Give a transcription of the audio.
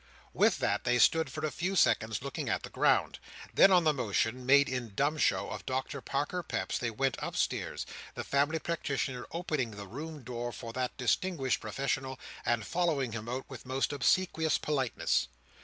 With that, they stood for a few seconds looking at the ground. Then, on the motion—made in dumb show—of Doctor Parker Peps, they went upstairs; the family practitioner opening the room door for that distinguished professional, and following him out, with most obsequious politeness.